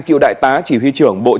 cựu đại tá chỉ huy trưởng bộ trưởng